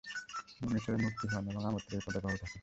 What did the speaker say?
তিনি মিশরের মুফতি হন এবং আমৃত্যু এই পদে বহাল থাকেন।